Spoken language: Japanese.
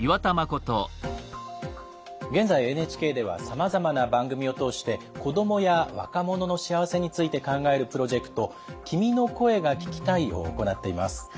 現在ＮＨＫではさまざまな番組を通して子どもや若者の幸せについて考えるプロジェクト「君の声が聴きたい」を行っています。